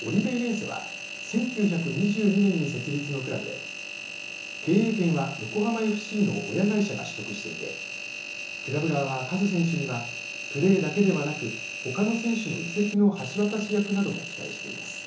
オリベイレンセは１９２２年に設立のクラブで経営権は横浜ＦＣの親会社が取得していてクラブ側はカズ選手にはプレーだけではなくほかの選手の移籍の橋渡し役なども期待しています。